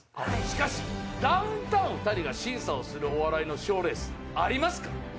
しかしダウンタウン２人が審査をするお笑いの賞レースありますか？